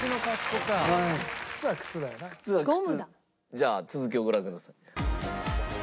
じゃあ続きをご覧ください。